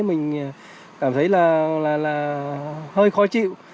mình cảm thấy là hơi khó chịu